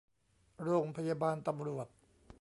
โรงพยาบาลตำรวจ